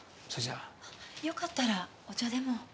あっよかったらお茶でも。